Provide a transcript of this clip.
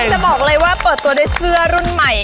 จะบอกเลยว่าเปิดตัวด้วยเสื้อรุ่นใหม่